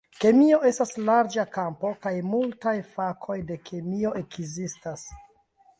Kemio estas larĝa kampo kaj multaj fakoj de kemio ekzistas.